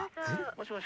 もしもし。